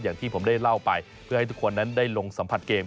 อย่างที่ผมได้เล่าไปเพื่อให้ทุกคนนั้นได้ลงสัมผัสเกม